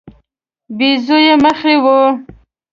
بیضوي مخ یې وو.